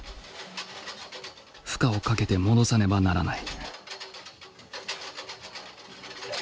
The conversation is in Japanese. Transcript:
負荷をかけて戻さねばならない。